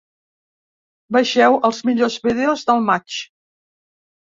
Vegeu els millors vídeos del matx.